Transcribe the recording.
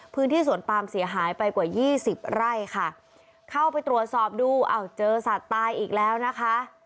พื้นที่สวนปามเสียหายไปกว่ายี่สิบไร่ค่ะเข้าไปตรวจสอบดูอ้าวเจอสัตว์ตายอีกแล้วนะคะ